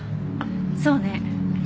そうね。